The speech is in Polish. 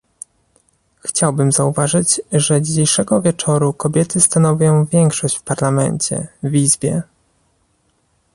Chciałbym zauważyć, że dzisiejszego wieczoru kobiety stanowią większość w Parlamencie, w Izbie